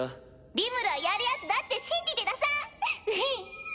リムルはやるヤツだって信じてたさ！